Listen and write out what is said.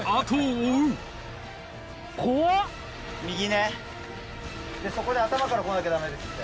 右ねでそこで頭から来なきゃダメですって。